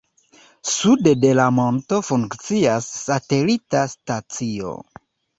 Sude de la monto funkcias satelita stacio.